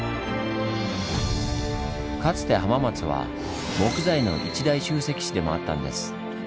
かつて浜松は木材の一大集積地でもあったんです。